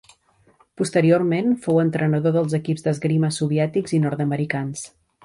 Posteriorment fou entrenador dels equips d'esgrima soviètics i nord-americans.